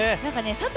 佐藤